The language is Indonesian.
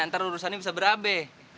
ntar urusannya bisa berabe